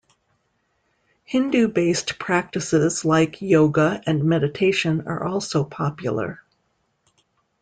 Hindu based practises like Yoga and meditation are also popular.